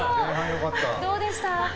どうでした？